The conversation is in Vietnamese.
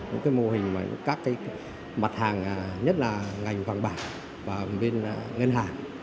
những cái mô hình mà các cái mặt hàng nhất là ngành vàng bảng và bên ngân hàng